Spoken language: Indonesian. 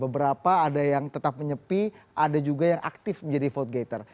beberapa ada yang tetap menyepi ada juga yang aktif menjadi vote gator